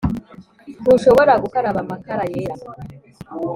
ntushobora gukaraba amakara yera.